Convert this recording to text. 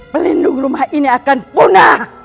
pelindung rumah ini akan punah